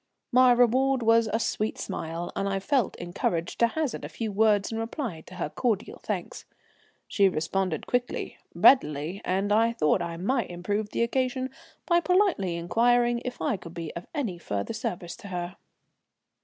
My reward was a sweet smile, and I felt encouraged to hazard a few words in reply to her cordial thanks. She responded quickly, readily, and I thought I might improve the occasion by politely inquiring if I could be of any further service to her.